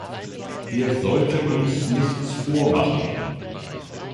Wir sollten uns nichts vormachen.